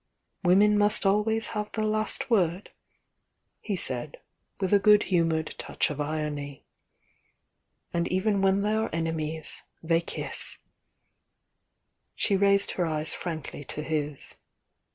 "Women must always have the last word'" he said, with a good humoured touch of irony. "And even when they are enemies, they kiss'" bhe raised her eyes frankly to his.